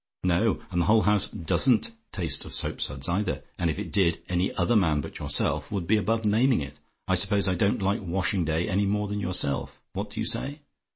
No: and the whole house DOESN'T taste of soap suds either; and if it did, any other man but yourself would be above naming it. I suppose I don't like washing day any more than yourself. What do you say?